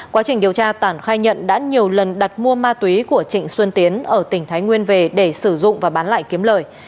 quá trình điều tra tản khai nhận đã nhiều lần đặt mua ma túy của trịnh xuân tiến ở tỉnh thái nguyên về để sử dụng và bán lại kiếm lời